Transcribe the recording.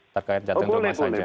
terkait jatuh yang terlalu masyarakat